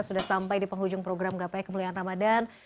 kita sudah sampai di penghujung program gapai kemuliaan ramadan